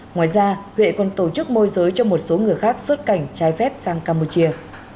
ngoài ra huệ còn tổ chức môi giới cho một số người khác xuất cảnh trái phép sang campuchia